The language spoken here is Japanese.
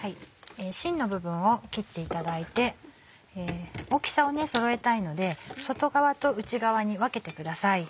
しんの部分を切っていただいて大きさをそろえたいので外側と内側に分けてください。